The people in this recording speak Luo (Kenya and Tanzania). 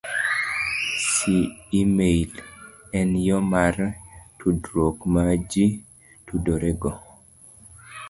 c- E-mail En yo mar tudruok ma ji tudorego